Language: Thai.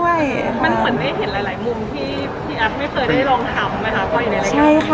มันเหมือนได้เห็นหลายมุมที่แอฟไม่เคยได้ลองทำนะคะ